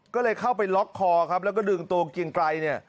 ก็เลยเข้าไปล็อกคอครับแล้วก็ดึงตัวเกียงไกรเนี่ย